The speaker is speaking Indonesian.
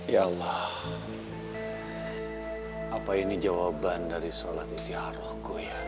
ya allah apa ini jawaban dari sholat inti aruhku ya